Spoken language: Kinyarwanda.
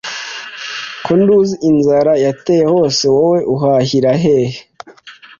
Ko nduzi inzara yateye hose wowe uhahira hehe